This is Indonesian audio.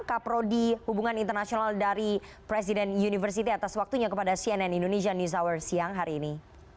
kaprodi hubungan internasional dari presiden university atas waktunya kepada cnn indonesia news hour siang hari ini